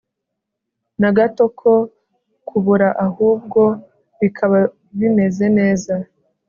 na gato ko kubora ahubwo bikaba bimeze neza